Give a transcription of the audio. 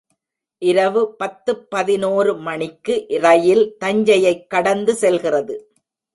இரவு பத்துப் பதினோரு மணிக்கு ரயில் தஞ்சையைக் கடந்து செல்கிறது.